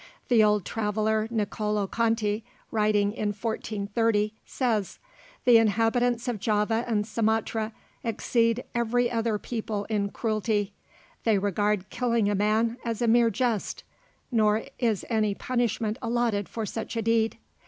The old traveller Nicolo Conti, writing in 1430, says: "The inhabitants of Java and Sumatra exceed every other people in cruelty. They regard killing a man as a mere jest; nor is any punishment allotted for such a deed.